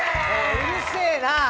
うるせえな。